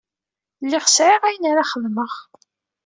Lliɣ sɛiɣ ayen ara xedmeɣ.